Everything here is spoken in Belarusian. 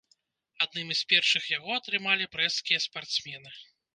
Аднымі з першых яго атрымалі брэсцкія спартсмены.